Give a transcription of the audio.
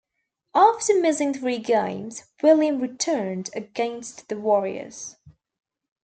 After missing three games, Williams returned against the Warriors.